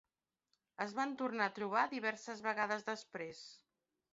Es van tornar a trobar diverses vegades després.